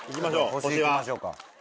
星いきましょうか。